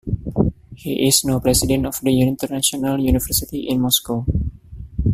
He is now president of the International University in Moscow.